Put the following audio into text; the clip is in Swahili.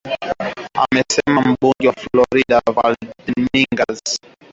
amesema mbunge wa Florida Val Demingas